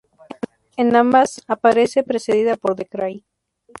En ambas, aparece precedida por "The Cry".